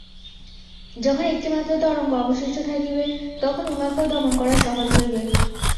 যখন একটি মাত্র তরঙ্গ অবশিষ্ট থাকিবে, তখন উহাকেও দমন করা সহজ হইবে।